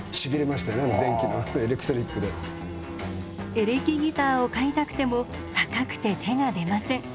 エレキギターを買いたくても高くて手が出ません。